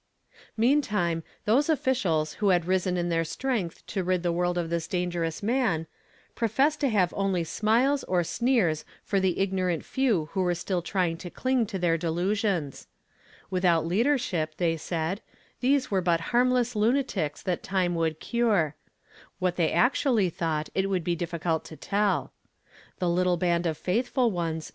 Meantime, those officials who had risen in their strength to rid the world of this dangerous man, professed to have only smiles or sneers for the ignorant few who were still trying to cling to their delusions. Without leaderehip, they said, these were but hannless lunatics that time would cure. What they actually thought it would be difficult to tell. The little band of faithful onea " I WILL WORK, AND WHO SHALL LET IT ?